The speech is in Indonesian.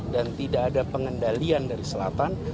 tidak ada pengendalian dari selatan